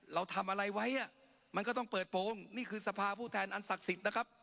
เราทำอะไรไว้มันก็ต้องเปิดโปรงนี่คือสภาผู้แทนอันศักดิ์สิทธิ์นะครับ